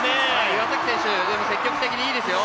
岩崎選手、積極的でいいですよ。